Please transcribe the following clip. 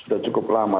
sudah cukup lama